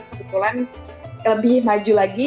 kebetulan lebih maju lagi